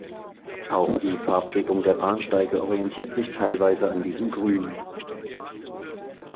Auch die Farbgebung der Bahnsteige orientiert sich teilweise an diesem Grün.